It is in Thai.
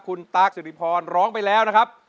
คุณตากสิริพรร้องไปแล้วนะครับ